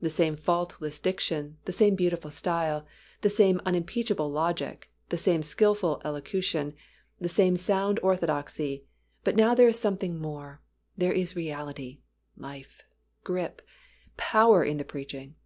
The same faultless diction, the same beautiful style, the same unimpeachable logic, the same skillful elocution, the same sound orthodoxy, but now there is something more, there is reality, life, grip, power in the preaching.